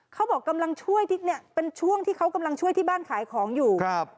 เขาบอกเป็นช่วงที่เขากำลังช่วยที่บ้านขายของอยู่